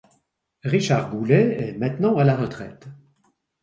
Richard Goulet est maintenant à la retraite.